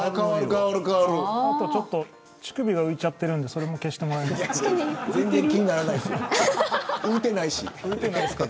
あと、ちょっと乳首が浮いちゃってるのでそれも消してもらえませんか。